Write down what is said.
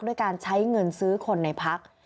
ด้วยการใช้เงินซื้อคนในพัก